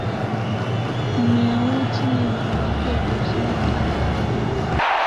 mmea huo chini ya udhibiti wa biashara ya dawa za kulevya